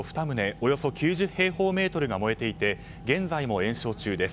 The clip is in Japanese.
およそ９０平方メートルが燃えていて現在も延焼中です。